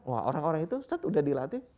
wah orang orang itu ustadz udah dilatih